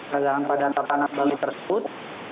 yang pada antar tanah bali tersebut